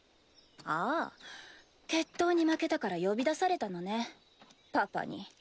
ああ決闘に負けたから呼び出されたのねパパに。